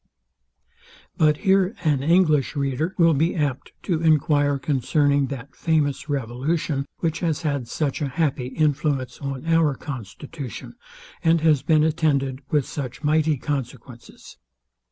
But here an English reader will be apt to enquire concerning that famous revolution, which has had such a happy influence on our constitution, and has been attended with such mighty consequences.